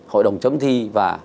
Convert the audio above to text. hội đồng chấm thi và